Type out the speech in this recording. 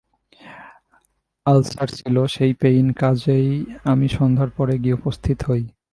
Ulcer ছিল, সেই pain, কাজেই আমি সন্ধ্যার পরে গিয়ে উপস্থিত হই।